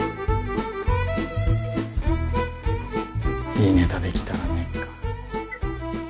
いいネタできたらねか。